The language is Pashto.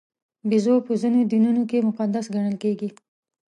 بیزو په ځینو دینونو کې مقدس ګڼل کېږي.